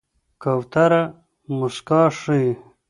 کوتره موسکا ښيي.